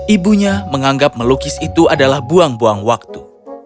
ibu nya menganggap melukis itu adalah buang buang waktu